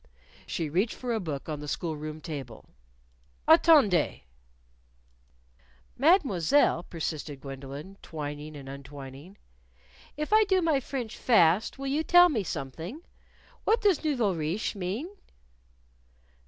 She reached for a book on the school room table. "Attendez!" "Mademoiselle," persisted Gwendolyn, twining and untwining, "if I do my French fast will you tell me something? What does nouveaux riches mean?"